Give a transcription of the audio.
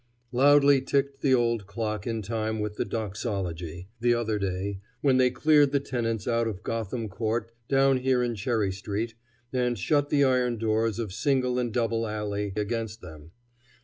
Loudly ticked the old clock in time with the doxology, the other day, when they cleared the tenants out of Gotham Court down here in Cherry street, and shut the iron doors of Single and Double Alley against them.